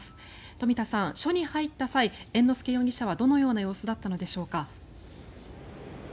冨田さん、署に入った際猿之助容疑者はどのような様子だったのでしょうか。